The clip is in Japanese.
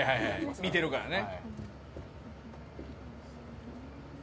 見てるからね。